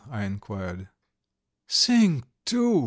I enquired. "Sing, too!"